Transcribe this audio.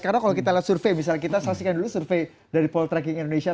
karena kalau kita lihat survei misalnya kita saksikan dulu survei dari poltracking indonesia